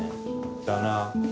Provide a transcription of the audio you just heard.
だな。